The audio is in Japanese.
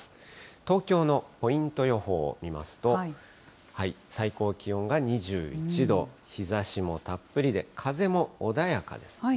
東京のポイント予報を見ますと、最高気温が２１度、日ざしもたっぷりで風も穏やかですね。